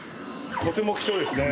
とても貴重ですね。